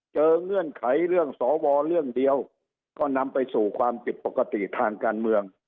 เงื่อนไขเรื่องสวเรื่องเดียวก็นำไปสู่ความผิดปกติทางการเมือง